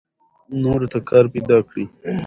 نورو ته کار پیدا کړئ.